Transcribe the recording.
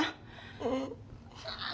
うん。